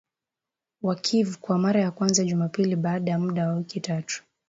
wa Kyiv kwa mara ya kwanza Jumapili baada ya muda wa wiki tatu